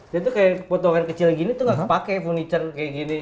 dia itu kayak potongan kecil gini tuh nggak kepake furniture kayak gini